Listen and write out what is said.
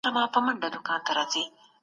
هغه خلګ چي صدقه ورکوي ډېر نېکمرغه دي.